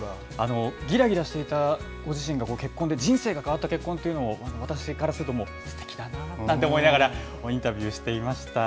ぎらぎらしていたご自身が結婚で人生が変わった結婚っていうの、私からするともう、すてきだななんて思いながら、インタビューしていました。